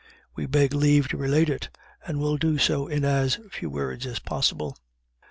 We beg leave to relate it, and will do so in as few words as possible.